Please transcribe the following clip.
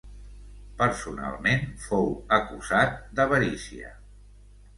Personalment fou acusat d'avarícia.